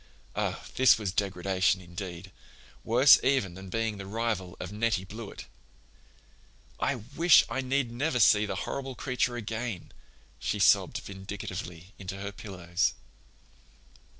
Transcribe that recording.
Oh, this was degradation, indeed—worse even than being the rival of Nettie Blewett! "I wish I need never see the horrible creature again," she sobbed vindictively into her pillows.